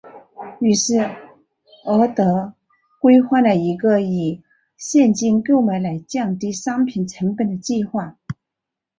于是沃德规划了一个以现金购买来降低商品成本的计划。